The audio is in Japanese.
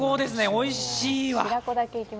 おいしいわ。